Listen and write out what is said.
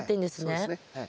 そうですねはい。